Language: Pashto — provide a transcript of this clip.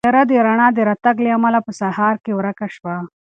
تیاره د رڼا د راتګ له امله په سهار کې ورکه شوه.